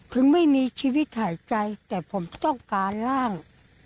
ถึงไม่มีชีวิตหายใจแต่ผมต้องการร่าง